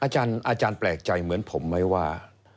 อเจมส์ครับอาจารย์แปลกใจเหมือนผมไหมว่า